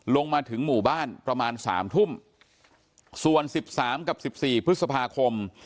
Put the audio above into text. ลงมาถึงหมู่บ้านประมาณ๓ทุ่มส่วน๑๓กับ๑๔พฤษภาคม